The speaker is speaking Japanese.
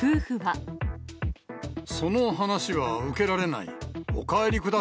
その話は受けられない。